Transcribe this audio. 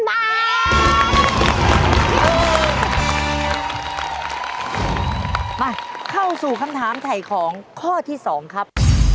มาเข้าสู่คำถามถ่ายของข้อที่๒ครับ